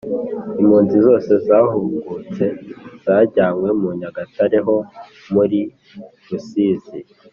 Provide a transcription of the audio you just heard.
Impunzi zose zahungutse zajyanywe mu nyagatare ho muri Rusizi